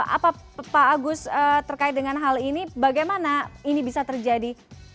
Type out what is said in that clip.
apa pak agus terkait dengan hal ini bagaimana ini bisa terjadi